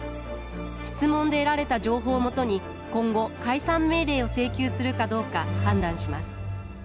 質問で得られた情報を基に今後解散命令を請求するかどうか判断します